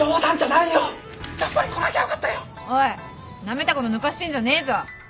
なめたこと抜かしてんじゃねえぞ。